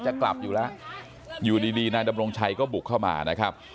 จะกลับอยู่แล้วอยู่ดีนายดำรงชัยก็บุกเข้ามานะครับ